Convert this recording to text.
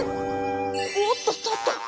おっとっとっと。